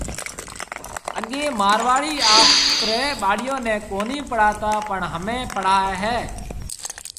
اگَي مارواڙي آپرَي ٻاݪيون ني ڪونِي پڙھاتا پڻ ھمي پڙھائَي ھيَََ